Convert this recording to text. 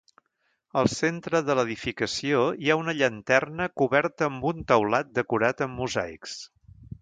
Al centre de l'edificació hi ha una llanterna coberta amb un teulat decorat amb mosaics.